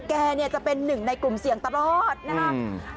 แกเนี่ยจะเป็นหนึ่งในกลุ่มเสี่ยงตลอดนะครับ